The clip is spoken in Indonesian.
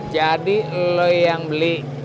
jadi lo yang beli